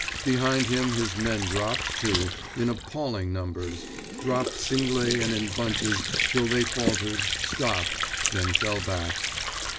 Behind him his men dropped, too, in appalling numbers—dropped singly and in bunches till they faltered, stopped, then fell back.